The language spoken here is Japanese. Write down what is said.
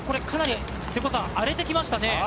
かなり荒れてきましたね。